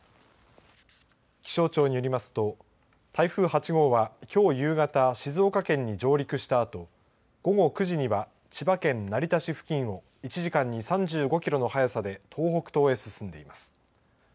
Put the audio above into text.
気象庁によりますと台風８号はきょう夕方静岡県に上陸したあと午後９時には千葉県成田市付近を１時間に３５キロの速さで東北東へ進んでいます。